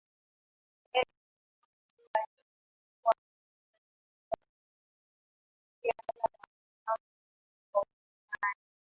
Helmut KohlHatua hiyo ilikuwa muhimu sana katika kulishughulikia suala la kuungana kwa Ujerumani